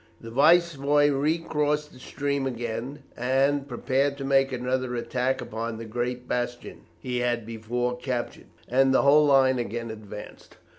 The Viceroy recrossed the stream again, and prepared to make another attack upon the great bastion he had before captured, and the whole line again advanced.